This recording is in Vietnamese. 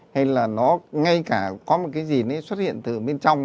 hay là nó ngay cả có một cái gì ấy xuất hiện từ bên trong